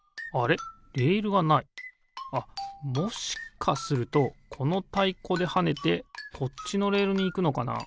あっもしかするとこのたいこではねてこっちのレールにいくのかな？